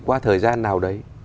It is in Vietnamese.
qua thời gian nào đấy